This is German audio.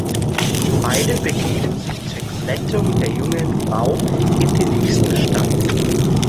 Beide begeben sich zwecks Rettung der jungen Frau in die nächste Stadt.